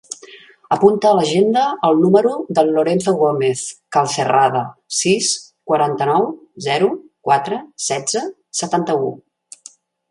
Apunta a l'agenda el número del Lorenzo Gomez Calcerrada: sis, quaranta-nou, zero, quatre, setze, setanta-u.